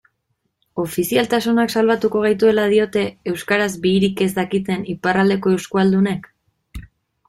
Ofizialtasunak salbatuko gaituela diote euskaraz bihirik ez dakiten iparraldeko euskualdunek?